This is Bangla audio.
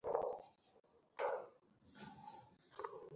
সব কিছুই ঠিক করা হয়েছে।